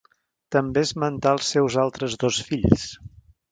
També esmentar als seus altres dos fills.